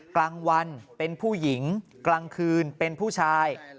กลางวันเป็นผู้หญิงกลางคืนเป็นผู้ชาย